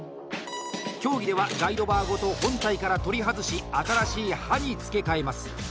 競技ではガイドバーごと本体から取り外し新しい刃に付け替えます。